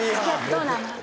「どうなの？」